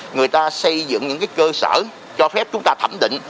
người ta xây dựng những cơ sở cho phép chúng ta thẩm định